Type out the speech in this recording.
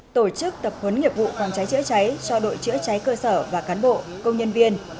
tổ chức tập huấn nghiệp vụ phòng cháy chữa cháy cho đội chữa cháy cơ sở và cán bộ công nhân viên